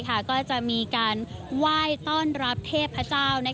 ก็จะมีการไหว้ต้อนรับเทพเจ้า